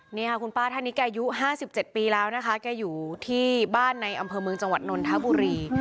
นี่ค่ะคุณป้าท่านนี้แกอายุ๕๗ปีแล้วนะคะแกอยู่ที่บ้านในอำเภอเมืองจังหวัดนนทบุรี